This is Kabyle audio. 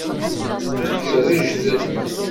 Srejdel.